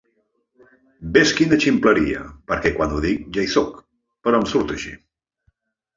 Ves quina ximpleria, perquè quan ho dic ja hi soc, però em surt així.